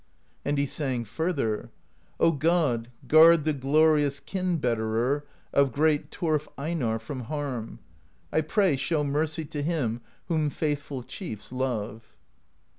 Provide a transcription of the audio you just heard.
And he sang further: God, guard the glorious Kin Betterer of great Turf Einarr From harm; I pray, show mercy To him whom faithful chiefs love.